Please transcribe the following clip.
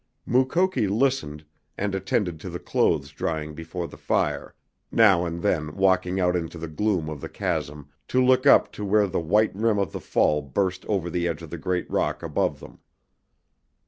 Mukoki listened, and attended to the clothes drying before the fire, now and then walking out into the gloom of the chasm to look up to where the white rim of the fall burst over the edge of the great rock above them.